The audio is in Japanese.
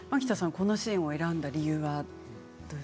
このシーンを選んだ理由は？